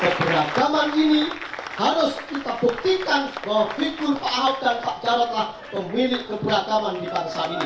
keberagaman ini harus kita buktikan bahwa figur pak ahok dan pak jarod lah pemilik keberagaman di bangsa ini